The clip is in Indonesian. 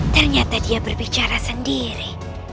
ternyata dia berbicara sendiri